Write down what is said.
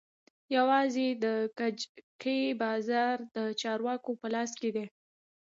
يوازې د کجکي بازار د چارواکو په لاس کښې دى.